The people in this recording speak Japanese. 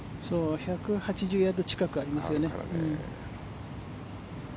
１８０ヤード近くありますよね。